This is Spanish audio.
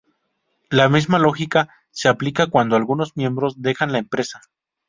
La misma lógica se aplica cuando algunos miembros dejan la empresa.